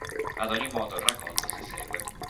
Ad ogni modo il racconto si segue.